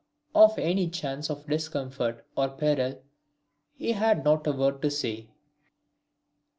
Of any chance of discomfort or peril he had not a word to say.